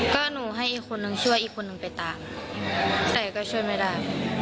ก็หนูให้อีกคนนึงช่วยอีกคนนึงไปตามแต่ก็ช่วยไม่ได้